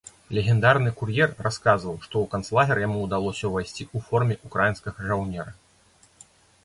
Легендарны кур'ер расказваў, што ў канцлагер яму ўдалося ўвайсці ў форме ўкраінскага жаўнера.